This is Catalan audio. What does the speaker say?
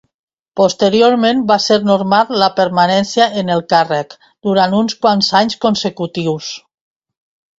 Posteriorment va ser normal la permanència en el càrrec durant uns quants anys consecutius.